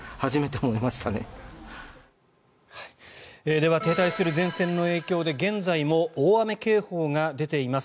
では停滞する前線の影響で現在も大雨警報が出ています